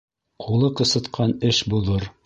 Ҡулы ҡысытҡан эш боҙор.